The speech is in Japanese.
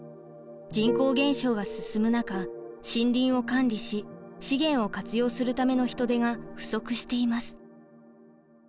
人口減少が進む中森林を管理し資源を活用するための人手が不足しています。